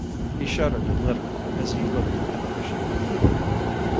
He shuddered' a little as he looked at the missionary.